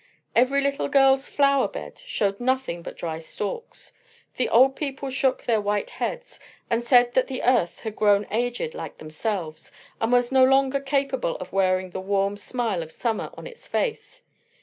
Every little girl's flower bed showed nothing but dry stalks. The old people shook their white heads, and said that the earth had grown aged like themselves, and was no longer capable of wearing the warm smile of summer on its face.